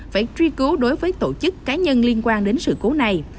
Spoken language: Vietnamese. phải truy cứu đối với tổ chức cá nhân liên quan đến sự cố này